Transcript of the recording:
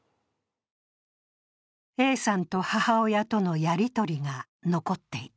Ａさんと母親とのやり取りが残っていた。